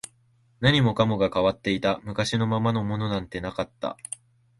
何もかもが変わっていた、昔のままのものなんてなかった